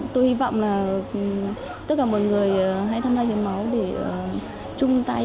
tôi hy vọng là tất cả mọi người hãy tham gia hiến máu để chung tay